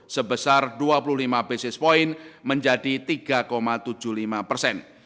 sebesar dua puluh lima basis point menjadi tiga tujuh puluh lima persen